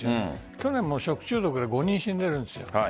去年も食中毒で５人死んでいるんです。